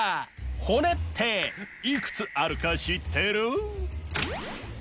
骨っていくつあるかしってる？